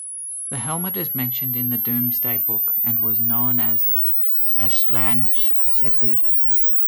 The hamlet is mentioned in the Domesday Book and was known as Aslachesbi.